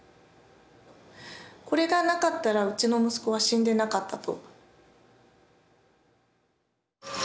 これがなかったらうちの息子は死んでなかったと。